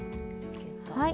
はい。